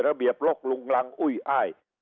ระเบียบโรคลุงรังอุ้ยอ้าย